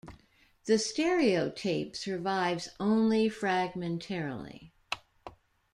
The stereo tape survives only fragmentarily.